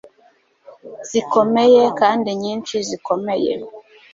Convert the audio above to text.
zikomeye kandi nyinshi zikomeye